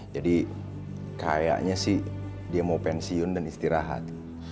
jadi kayaknya sih dia mau pensiun dan istirahat